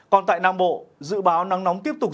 còn tại nam bộ dự báo nắng nóng tiếp tục